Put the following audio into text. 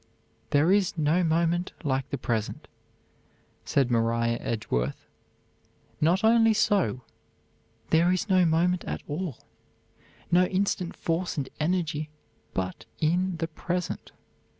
"There is no moment like the present," said Maria Edgeworth; "not only so, there is no moment at all, no instant force and energy, but in the present.